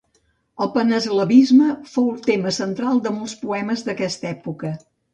El Paneslavisme fou el tema central de molts poemes d'aquesta època.